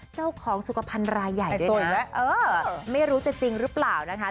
เจ้าของสุขปรรพันธุ์รายใหญ่ด้วยนะไม่รู้จักจริงหรือเปล่านะคะ